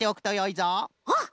あっ！